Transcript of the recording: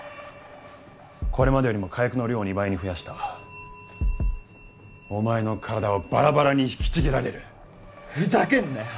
これまでよりも火薬の量を２倍に増やしたお前の体はバラバラに引きちぎられるふざけんなよ